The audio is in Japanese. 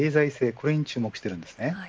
これに注目しているんですね。